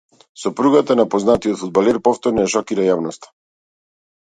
Сопругата на познатиот фудбалер повторно ја шокира јавноста